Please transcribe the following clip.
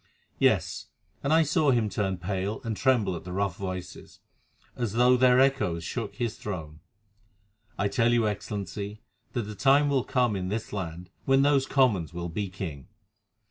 Yes, and I saw him turn pale and tremble at the rough voices, as though their echoes shook his throne. I tell you, Excellency, that the time will come in this land when those Commons will be king.